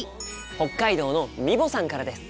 北海道のみぼさんからです。